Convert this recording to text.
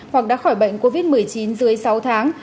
hoặc đã khỏi bệnh covid một mươi chín dưới sáu tháng